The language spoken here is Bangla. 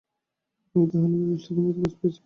আমি তাহলে বেবিসিটারের কাজ পেয়েছি?